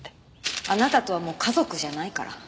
あなたとはもう家族じゃないから。